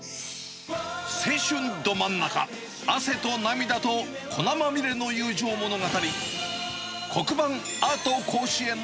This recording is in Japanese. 青春ど真ん中、汗と涙と粉まみれの友情物語。